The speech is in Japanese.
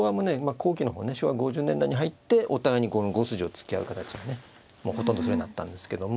後期の方ね昭和５０年代に入ってお互いにこの５筋を突き合う形にねもうほとんどそれになったんですけども。